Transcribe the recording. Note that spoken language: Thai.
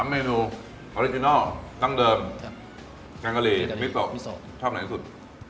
๓เมนูออริจินัลตั้งเดิมแกงกะลีวิโซชอบไหนที่สุด